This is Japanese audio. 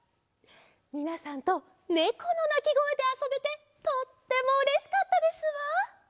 みなさんとねこのなきごえであそべてとってもうれしかったですわ！